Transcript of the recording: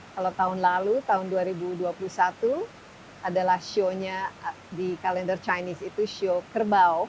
kalau tahun lalu tahun dua ribu dua puluh satu adalah sio nya di kalender chinese itu sio kerbao logam